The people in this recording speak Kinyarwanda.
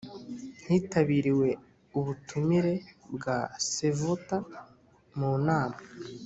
hitabiriwe ubutumire bwa sevota mu nama.